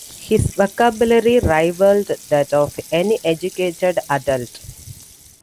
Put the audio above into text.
His vocabulary rivaled that of any educated adult.